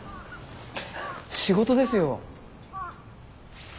仕事ですよ。